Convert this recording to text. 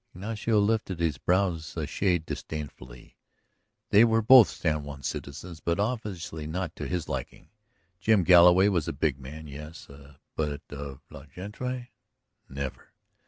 Ignacio lifted his brows a shade disdainfully. They were both San Juan citizens, but obviously not to his liking. Jim Galloway was a big man, yes; but of la gente, never!